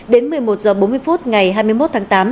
đến một mươi một h bốn mươi phút ngày hai mươi một tháng tám